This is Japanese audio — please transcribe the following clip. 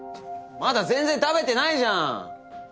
まだ全然食べてないじゃん！